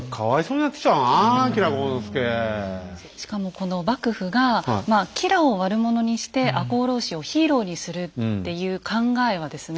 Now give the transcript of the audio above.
しかもこの幕府が吉良を悪者にして赤穂浪士をヒーローにするっていう考えはですね